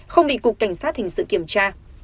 không bị cục cảnh sát thình sự kiểm tra